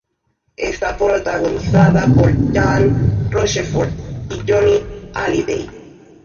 Está protagonizada por Jean Rochefort y Johnny Hallyday.